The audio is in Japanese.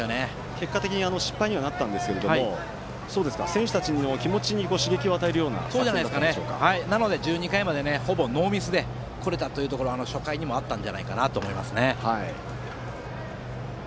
結果的に失敗にはなりましたけれども選手たちの気持ちに刺激を与えるようななので１２回までほぼノーミスでこれたというのはその要因は、初回にもあったんじゃないかなと思います。